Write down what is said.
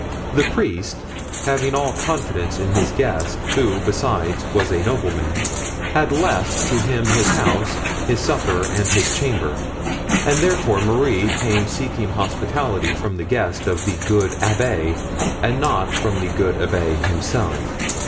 The priest having all confidence in his guest, who, besides, was a nobleman, had left to him his house, his supper and his chamber. And therefore Marie came seeking hospitality from the guest of the good abbé and not from the good abbé himself."